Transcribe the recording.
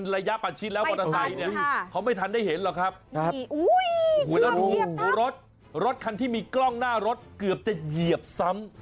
มันระยะปัดชิดแล้วปัดทะไซด์มันไม่ทันได้เห็นหรอกครับแล้วรถรถคันที่มีกล้องหน้ารถเกือบจะเหยียบซ้ำ